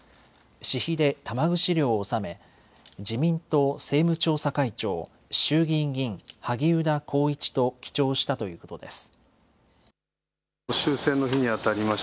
私費で玉串料を納め自民党政務調査会長衆議院議員萩生田光一と記帳したということです。